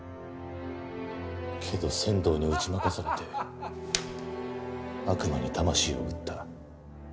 けど千堂に打ち負かされて悪魔に魂を売った。